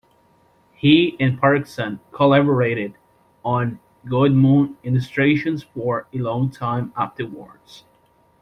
He and Parkinson collaborated on Goldmoon illustrations for a long time afterwards.